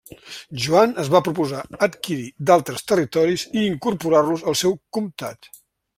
Joan es va proposar adquirir d'altres territoris i incorporar-los al seu comtat.